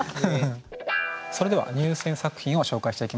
それでは入選作品を紹介していきましょう。